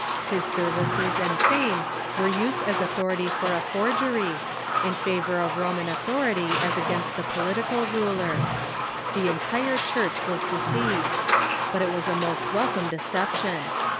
His services and fame were used as au thority for a forgery, in favor of Roman authority as against the political ruler. The entire Church was deceived. But it was a most welcome deception.